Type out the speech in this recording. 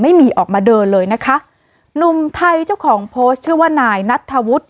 ไม่มีออกมาเดินเลยนะคะหนุ่มไทยเจ้าของโพสต์ชื่อว่านายนัทธวุฒิ